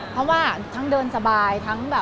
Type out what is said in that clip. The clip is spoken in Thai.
เพราะว่าทั้งเดินสบาย